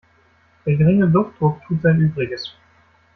Der geringe Luftdruck tut sein Übriges.